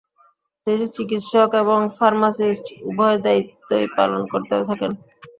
তিনি চিকিৎসক এবং ফার্মাসিস্ট - উভয় দায়িত্বই পালন করতে থাকেন।